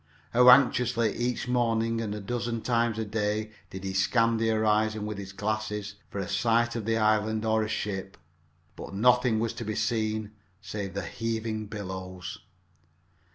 How anxiously each morning and a dozen times a day did he scan the horizon with his glasses for a sight of the island or a ship! But nothing was to be seen save the heaving billows.